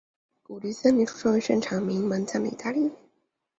古迪仙尼出生于盛产有名门将的意大利。